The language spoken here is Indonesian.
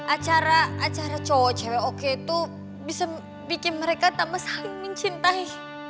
acara acara cowo cewek cewek oke itu bisa bikin mereka tambah saling mencintai